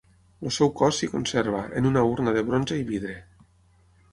El seu cos s'hi conserva, en una urna de bronze i vidre.